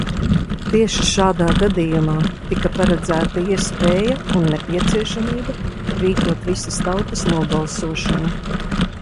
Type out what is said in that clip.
Tieši šādā gadījumā tika paredzēta iespēja un nepieciešamība rīkot visas tautas nobalsošanu.